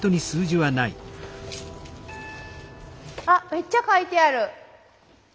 あっめっちゃ書いてある。